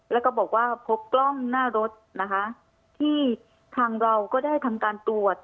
แล้วก็บอกว่าพบกล้องหน้ารถนะคะที่ทางเราก็ได้ทำการตรวจ